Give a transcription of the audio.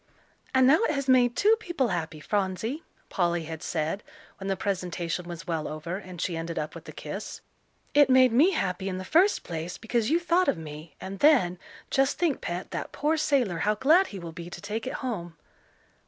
"And now it has made two people happy, Phronsie," Polly had said, when the presentation was well over, and she ended up with a kiss. "It made me happy in the first place because you thought of me, and then, just think, Pet, that poor sailor, how glad he will be to take it home."